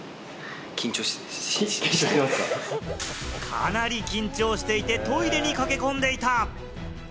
かなり緊張していて、トイレに駆け込んでいた。